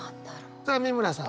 さあ美村さん。